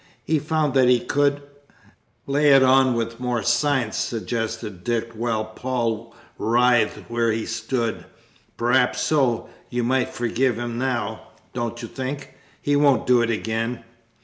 He found that he could " "Lay it on with more science," suggested Dick, while Paul writhed where he stood. "Perhaps so, but you might forgive him now, don't you think? he won't do it again.